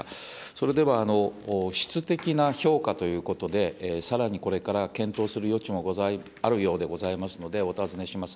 それでは、質的な評価ということで、さらにこれから検討する余地もあるようでございますので、お尋ねします。